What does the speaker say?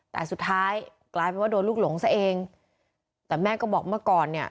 แต่สุดท้ายกลายเป็นว่าโดนลูกหลงซะเองแต่แม่ก็บอกเมื่อก่อนเนี่ย